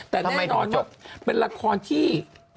แต่แน่นอนเป็นรักรอบที่